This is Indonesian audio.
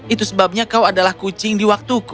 itu sebabnya kau adalah kucing di waktuku